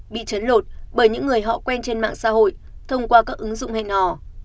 bị trấn lột bởi những người họ quen trên mạng xã hội thông qua các ứng dụng hẹn hò